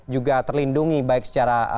juga terlindungi baik secara